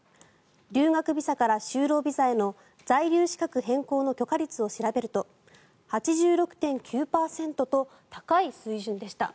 留学ビザから就労ビザへの在留資格変更の許可率を調べると８６．９％と高い水準でした。